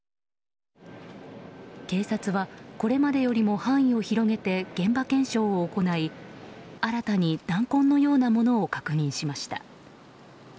警察はこれまでよりも範囲を広げて現場検証を行い新たに弾痕のようなものを確認しました。